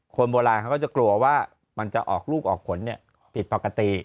คนโบราณเขาก็จะกลัวว่ามันจะออกลูกออกผลผิดปกติ